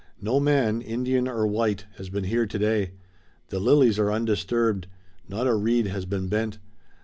"No man, Indian or white, has been here today. The lilies are undisturbed. Not a reed has been bent.